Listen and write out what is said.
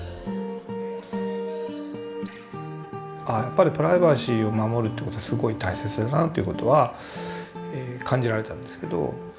やっぱりプライバシーを守るってことはすごい大切だなということは感じられたんですけど。